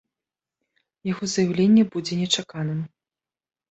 Яго з'яўленне будзе нечаканым.